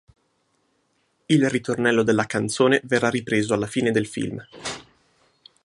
Il ritornello della canzone verrà ripreso alla fine del film.